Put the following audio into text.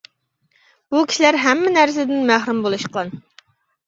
بۇ كىشىلەر ھەممە نەرسىدىن مەھرۇم بولۇشقان.